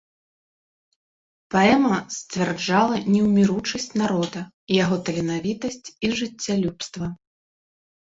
Паэма сцвярджала неўміручасць народа, яго таленавітасць і жыццялюбства.